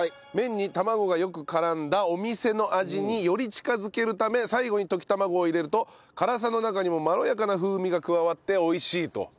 麺に卵がよく絡んだお店の味により近づけるため最後に溶き卵を入れると辛さの中にもまろやかな風味が加わって美味しいと。